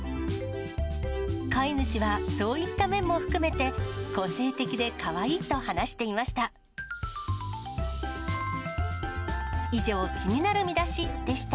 飼い主は、そういった面も含めて、個性的でかわいいと話していました。